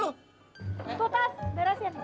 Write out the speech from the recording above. tuh tas beres ya